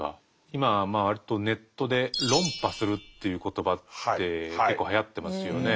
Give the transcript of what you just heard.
今まあ割とネットで「論破する」という言葉って結構はやってますよね。